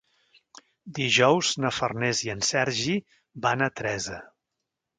Dijous na Farners i en Sergi van a Teresa.